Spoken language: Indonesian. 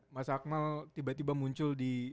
mas akmal tiba tiba muncul di